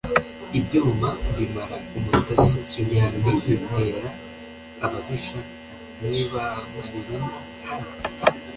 ibyuma mbimara umutasu: imyambi nyitera ababisha nyibamariramo nta